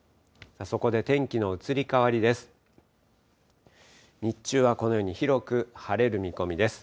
そこで天気の移り変わりです。